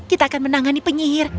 kita akan menangani penyihir